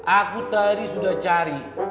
aku tadi sudah cari